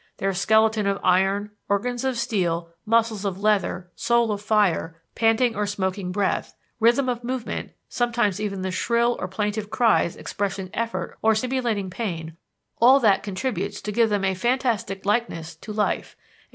Their skeleton of iron, organs of steel, muscles of leather, soul of fire, panting or smoking breath, rhythm of movement sometimes even the shrill or plaintive cries expressing effort or simulating pain: all that contributes to give them a fantastic likeness to life a specter and dream of inorganic life."